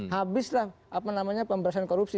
habislah pemberasan korupsi